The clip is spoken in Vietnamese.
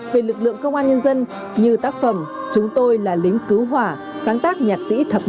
về lực lượng công an nhân dân như tác phẩm chúng tôi là lính cứu hỏa sáng tác nhạc sĩ thập niên